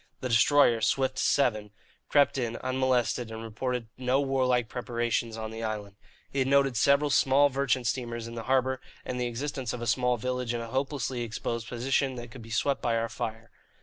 The destroyer, Swift VII, crept in, unmolested, and reported no warlike preparations on the island. It noted several small merchant steamers in the harbour, and the existence of a small village in a hopelessly exposed position that could be swept by our fire.